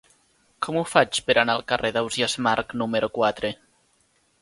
Com ho faig per anar al carrer d'Ausiàs Marc número quatre?